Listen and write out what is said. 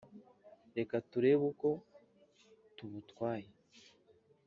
Reka turebe uko tubutwaye.